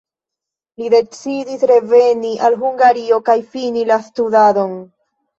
Li decidis reveni al Hungario kaj fini la studadon.